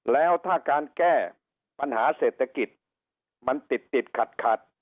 แล้วถ้าการแก้ปัญหาเศรษฐกิจมันติดติดขัด